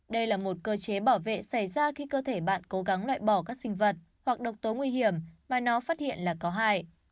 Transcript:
đây là một cơ chế bảo vệ xảy ra khi cơ thể bạn cố gắng loại bỏ các sinh vật hoặc độc tố nguy hiểm mà nó phát hiện là có hại